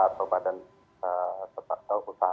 atau badan setelah usaha